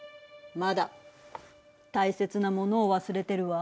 まだ大切なものを忘れてるわ。